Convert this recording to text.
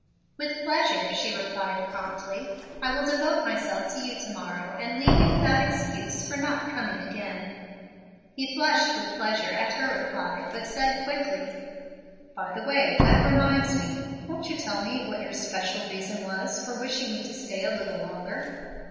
"With pleasure," she replied, promptly. "I will devote myself to you to morrow, and leave you without excuse for not coming again." He flushed with pleasure at her reply, but said, quickly, "By the way that reminds me. Won't you tell me what your 'special reason' was for wishing me to stay a little longer?"